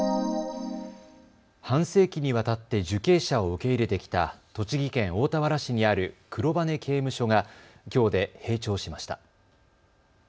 半世紀にわたって受刑者を受け入れてきた栃木県大田原市にある黒羽刑務所がきょうで閉庁しました。